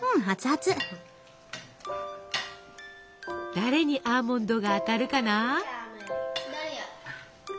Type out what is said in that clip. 誰にアーモンドが当たるかな？